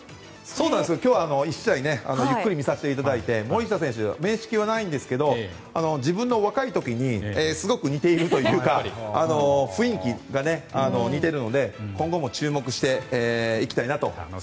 今日、１試合ゆっくり見させてもらったんですけど森下選手とは面識はないんですが自分の若い時にすごく似ているというか雰囲気が似ているので今後も注目していきたいなと思います。